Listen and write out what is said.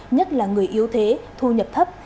nhất là người yếu thế thu nhập thấp